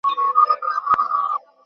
এবার আমাকে একটু হেল্প কর।